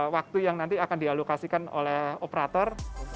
waktu yang nanti akan dialokasikan oleh operator